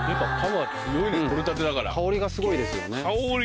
香りがすごいですよね。